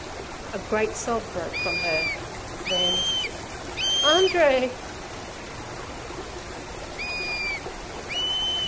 A great sob broke from her; then— 'Andree!